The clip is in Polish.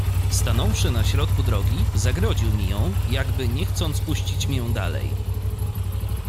"Stanąwszy na środku drogi, zagrodził mi ją, jakby nie chcąc puścić mię dalej."